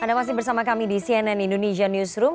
anda masih bersama kami di cnn indonesia newsroom